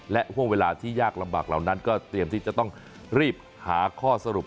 ห่วงเวลาที่ยากลำบากเหล่านั้นก็เตรียมที่จะต้องรีบหาข้อสรุป